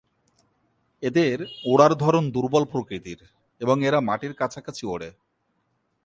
এদের ওড়ার ধরন দূর্বল প্রকৃতির এবং এরা মাটির কাছাকাছি ওড়ে।